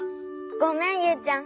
ごめんユウちゃん。